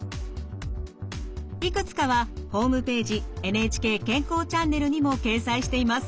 いくつかはホームページ「ＮＨＫ健康チャンネル」にも掲載しています。